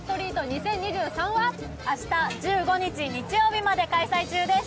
２０２３は明日１５日日曜日まで開催中です。